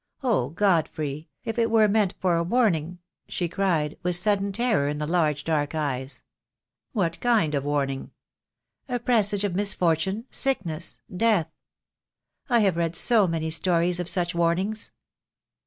Oh, Godfrey, if it were meant for a warning," she cried, with sudden terror in the large dark eyes. "What kind of warning?" "A presage of misfortune — sickness — death. I have read so many stories of such warnings."